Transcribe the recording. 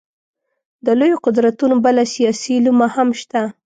د لویو قدرتونو بله سیاسي لومه هم شته.